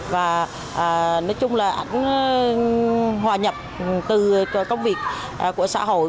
và nói chung là ảnh hòa nhập từ công việc của xã hội